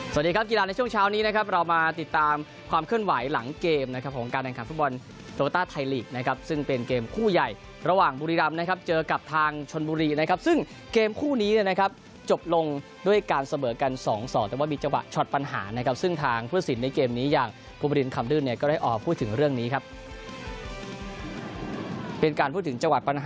สวัสดีครับกีฬาในช่วงเช้านี้นะครับเรามาติดตามความเคลื่อนไหวหลังเกมนะครับของการแดงขาดฟุตบอลโต๊กอตต้าไทยลีกซ์นะครับซึ่งเป็นเกมคู่ใหญ่ระหว่างบุรีรัมป์นะครับเจอกับทางชนบุรีนะครับซึ่งเกมคู่นี้นะครับจบลงด้วยการเสบอกกันสองสองแต่ว่ามีเจาะช็อตปัญหานะครับซึ่งทางผู้สินในเกมนี้อย่าง